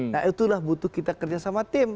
nah itulah butuh kita kerja sama tim